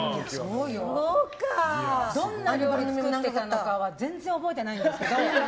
どんな料理作ってたのかは全然覚えてないんですけど。